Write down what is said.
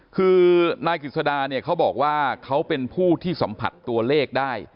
คือนายกิจสดาเนี่ยเขาบอกว่าเขาเป็นผู้ที่สัมผัสตัวเลขได้